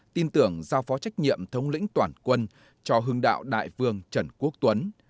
tin tưởng giao phó trách nhiệm thống lĩnh toàn quân cho hương đạo đại vương trần quốc tuấn